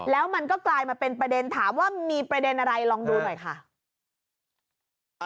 แล้วมันก็กลายมาเป็นประเด็นถามว่ามีประเด็นอะไรลองดูหน่อยค่ะ